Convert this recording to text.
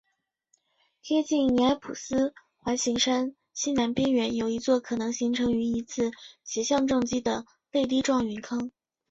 贴近尼埃普斯环形山西南边缘有一座可能形成于一次斜向撞击的泪滴状陨坑。